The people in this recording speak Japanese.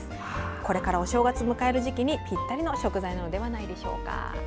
これからお正月を迎える時期にぴったりの食材なのではないでしょうか。